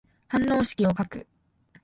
反応式を書く。